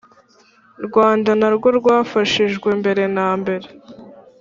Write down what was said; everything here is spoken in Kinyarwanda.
Rwanda narwo rwafashijwe mbere na mbere